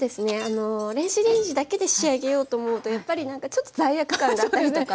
電子レンジだけで仕上げようと思うとやっぱりなんかちょっと罪悪感があったりとか。